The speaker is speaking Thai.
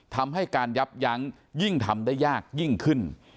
ทำให้การยับยั้งยิ่งทำได้ยากยิ่งขึ้น